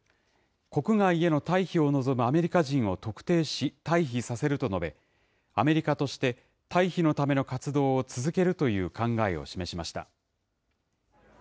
国外への退避を望むアメリカ人を特定し、退避させると述べ、アメリカとして、退避のための活動を続けるという考えを示しました。